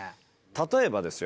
例えばですよ。